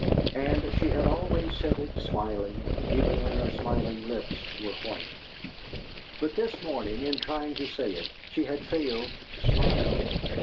And she had always said it smiling, even when her smiling lips were white. But this morning in trying to say it she had failed to smile.